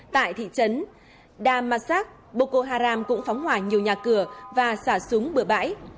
tại thị trấn damasak boko haram cũng phóng hỏa nhiều nhà cửa và xả súng bửa bãi